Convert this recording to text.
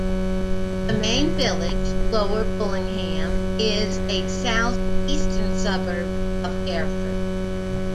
The main village, Lower Bullingham, is a south-eastern suburb of Hereford.